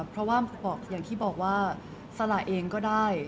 เพราะว่าอย่างที่บอกว่าสละเองก็ได้